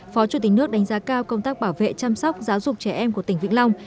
phó chủ tịch nước đánh giá cao công tác bảo vệ chăm sóc giáo dục trẻ em của tỉnh vĩnh long